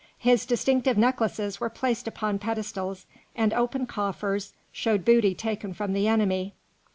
His distinctive necklaces were placed upon pedestals, and open coffers showed booty taken from the enemy.